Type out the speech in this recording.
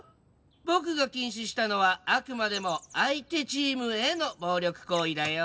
僕が禁止したのはあくまでも相手チームへの暴力行為だよ。